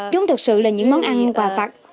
chúng thực sự là những món ăn quà phật